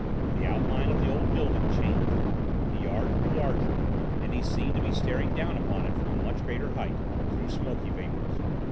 The outline of the old building changed, the yard grew larger, and he seemed to be staring down upon it from a much greater height through smoky vapours.